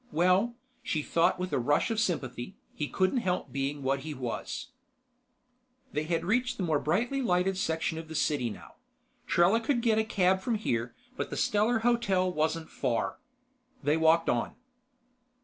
Well, she thought with a rush of sympathy, he couldn't help being what he was. They had reached the more brightly lighted section of the city now. Trella could get a cab from here, but the Stellar Hotel wasn't far. They walked on.